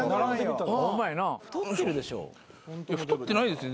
太ってないですよ